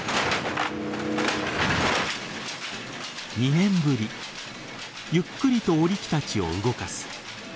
２年ぶりゆっくりと織り機たちを動かす。